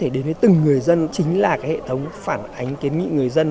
đến với từng người dân chính là hệ thống phản ánh kiến nghị người dân